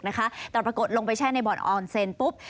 แต่ปรากฏลงไปแช่ในบ่อนออนเซนปุ๊บ